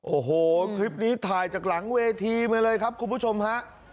โอ้โหคลิปนี้ถ่ายจากหลังเวทีมาเลยครับคุณผู้ชมฮะ